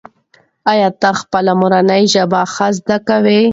ایا ته خپله مورنۍ ژبه ښه زده کوې؟